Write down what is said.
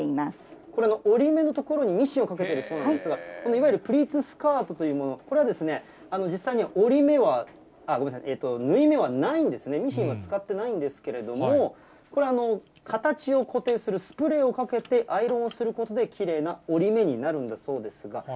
これ、折り目のところにミシンをかけているそうなんですが、いわゆるプリーツスカートというもの、これはですね、実際に折り目は、縫い目はないんですね、ミシンは使ってないんですけれども、これ、形を固定するスプレーをかけてアイロンをすることできれいな折り目になるんだそうですが。